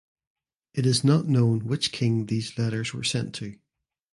It is not known which king these letters were sent to.